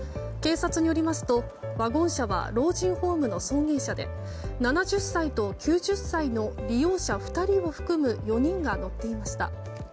警察によりますとワゴン車は老人ホームの送迎車で７０歳と９０歳の利用者２人を含む４人が乗っていました。